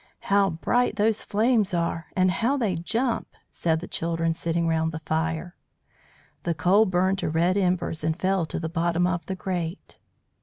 "How bright those flames are, and how they jump!" said the children sitting round the fire. The coal burned to red embers and fell to the bottom of the grate.